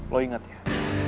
lo ingat ya